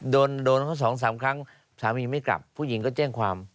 โดนโดนเขาสองสามครั้งสามีไม่กลับผู้หญิงก็แจ้งความ